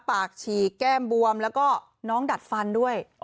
ปากฉีกแก้มบวมแล้วก็น้องดัดฟันด้วย